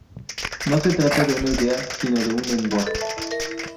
No se trata de una idea sino de un lenguaje.